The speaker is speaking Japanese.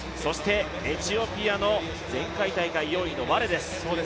エチオピアの前回大会４位のワレです。